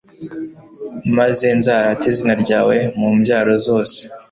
Maze nzarate izina ryawe mu mbyaro zose